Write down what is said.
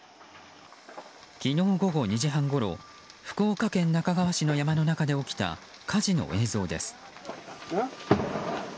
昨日午後２時半ごろ福岡県那珂川市の山の中で起きた火事の映像です。